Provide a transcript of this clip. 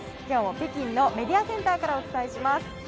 今日も北京のメディアセンターからお伝えします。